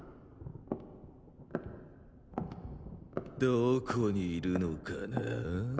どこにいるのかな？